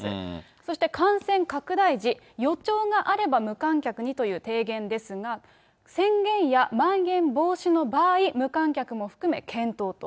そして感染拡大時、予兆があれば無観客にという提言ですが、宣言やまん延防止の場合、無観客も含め検討と。